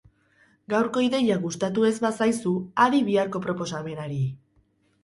Gaurko ideia gustatu ez bazaizu, adi biharko proposamenari!